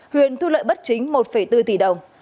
huyền thu lợi bất chính một bốn tỷ đồng